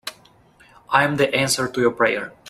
I'm the answer to your prayer.